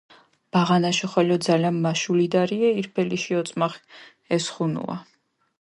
ბაღანაშო ხოლო ძალამ მაშულიდარიე ირფელიშ ოწმახ ესხუნუა.